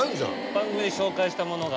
番組で紹介したものが。